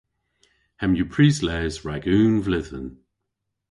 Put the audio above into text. Hemm yw prisles rag unn vledhen.